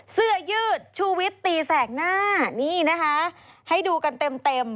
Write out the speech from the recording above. เสื้อยืดชูวิตตีแสกหน้านี่นะคะให้ดูกันเต็มเต็ม